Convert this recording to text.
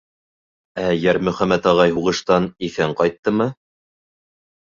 — Ә Йәрмөхәмәт ағай һуғыштан иҫән ҡайттымы?